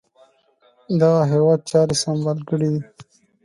دغه هیواد چاري سمبال کړي.